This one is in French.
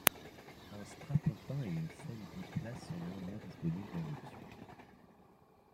Un strapontin et une selle biplace sont néanmoins disponibles en option.